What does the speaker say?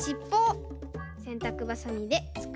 せんたくばさみでつく。